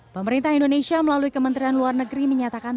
pemerintah indonesia melalui kementerian luar negeri menyatakan